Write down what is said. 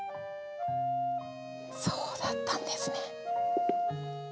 そうだったんですね。